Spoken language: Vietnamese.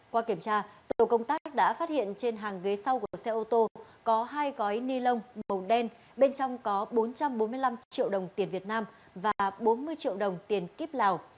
qua kiểm tra tổ công tác đã phát hiện trên hàng ghế sau của xe ô tô có hai gói ni lông màu đen bên trong có bốn trăm bốn mươi năm triệu đồng tiền việt nam và bốn mươi triệu đồng tiền kiếp lào